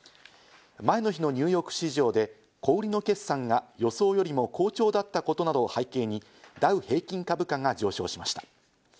前の日のニューヨーク市場で小売りの決算が予想よりも好調だったことなどを背景にダウ平均株価が上昇しました。